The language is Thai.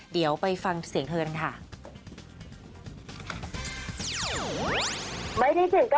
เดี๋ยวไปฟังเสียงเธอกันค่ะ